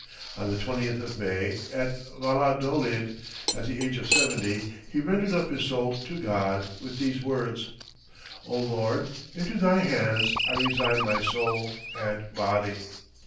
On the 20th of May, at Valladolid, at the age of seventy, he rendered up his soul to God with these words: "O Lord, into Thy hands I resign my soul and body."